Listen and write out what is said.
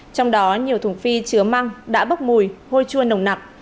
trong đó nhiều thùng phi chứa măng đã bốc mùi hôi chua nồng nặc